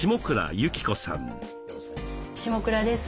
下倉です。